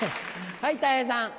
はいたい平さん。